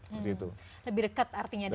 lebih dekat artinya dengan kelar